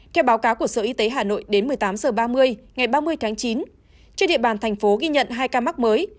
theo báo cáo của sở y tế hà nội đến một mươi tám h ba mươi ngày ba mươi tháng chín trên địa bàn thành phố ghi nhận hai ca mắc mới